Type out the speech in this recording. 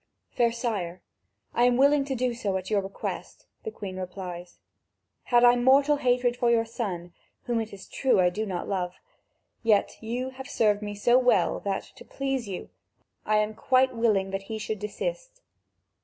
"Fair sire, I am willing to do so at your request," the Queen replies; "had I mortal hatred for your son, whom it is true I do not love, yet you have served me so well that, to please you, I am quite willing that he should desist."